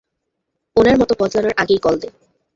ওনার মত বদলানোর আগেই কল দে।